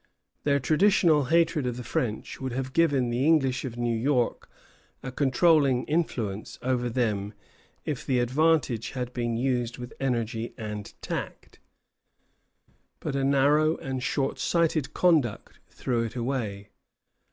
Their traditional hatred of the French would have given the English of New York a controlling influence over them if the advantage had been used with energy and tact. But a narrow and short sighted conduct threw it away.